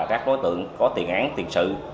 các đối tượng có tiền án tiền sự